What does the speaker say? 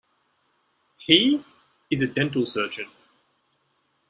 He is a dental surgeon.